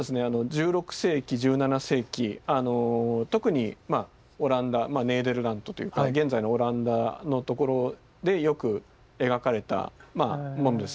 １６世紀１７世紀特にオランダネーデルラントという現在のオランダのところでよく描かれたものですね。